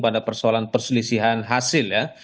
pada persoalan perselisihan hasil ya